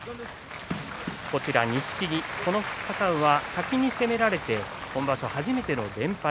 錦木、この２日間は先に攻められて、今場所初めての連敗。